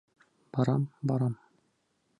Барам, барам!